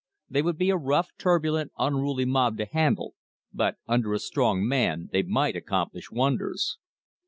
They would be a rough, turbulent, unruly mob to handle, but under a strong man they might accomplish wonders.